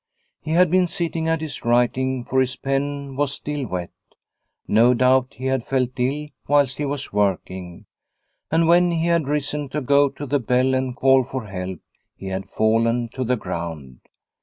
He had been sitting at his writing, for his pen was still wet. No doubt he had felt ill whilst he was working, and when he had risen to go to the bell and call for help he had fallen to the ground.